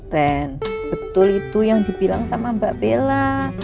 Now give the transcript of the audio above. ren betul itu yang dibilang sama mbak bella